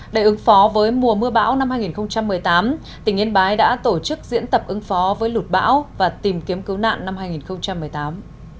để ứng phó với mùa mưa bão năm hai nghìn một mươi tám tỉnh yên bái đã tổ chức diễn tập ứng phó với lụt bão và tìm kiếm cứu nạn năm hai nghìn một mươi tám